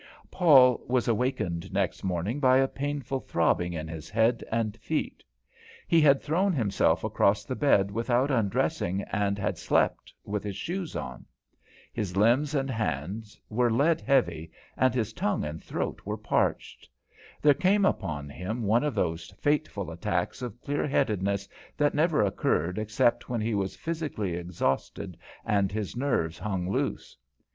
Paul was awakened next morning by a painful throbbing in his head and feet. He had thrown himself across the bed without undressing, and had slept with his shoes on. His limbs and hands were lead heavy, and his tongue and throat were parched. There came upon him one of those fateful attacks of clear headedness that never occurred except when he was physically exhausted and his nerves hung loose.